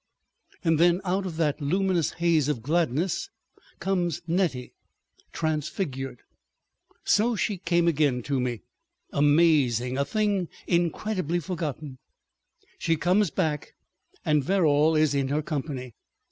And then out of that luminous haze of gladness comes Nettie, transfigured. So she came again to me—amazing, a thing incredibly forgotten. She comes back, and Verrall is in her company.